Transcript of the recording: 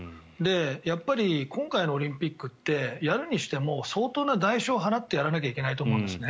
やっぱり今回のオリンピックってやるにしても相当な代償を払ってやらないといけないと思うんですね。